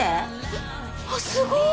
えっあっすごい。